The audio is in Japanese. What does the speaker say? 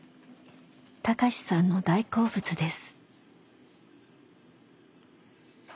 貴志さんの大好物です。